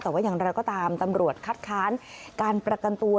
แต่ว่าอย่างไรก็ตามตำรวจคัดค้านการประกันตัว